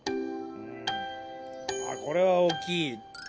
あこれは大きい。